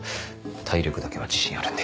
体力だけは自信あるんで。